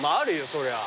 そりゃ。